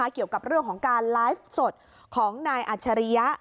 เกี่ยวกับเรื่องของการไลฟ์สดของนายอัจฉริยะ